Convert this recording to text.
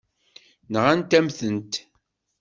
Nɣant-am-tent.